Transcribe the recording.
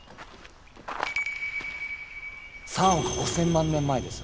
３億５，０００万年前です。